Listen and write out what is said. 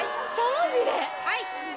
はい。